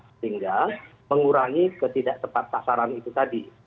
sehingga mengurangi ketidaktepatan sasaran itu tadi